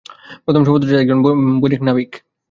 প্রথম সমুদ্রযাত্রায় একজন বণিক নাবিক।